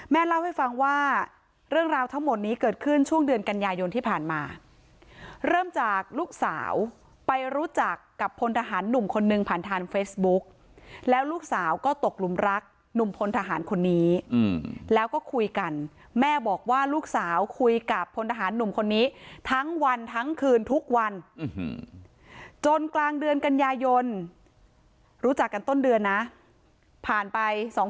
เล่าให้ฟังว่าเรื่องราวทั้งหมดนี้เกิดขึ้นช่วงเดือนกันยายนที่ผ่านมาเริ่มจากลูกสาวไปรู้จักกับพลทหารหนุ่มคนนึงผ่านทางเฟซบุ๊กแล้วลูกสาวก็ตกหลุมรักหนุ่มพลทหารคนนี้แล้วก็คุยกันแม่บอกว่าลูกสาวคุยกับพลทหารหนุ่มคนนี้ทั้งวันทั้งคืนทุกวันจนกลางเดือนกันยายนรู้จักกันต้นเดือนนะผ่านไปสอง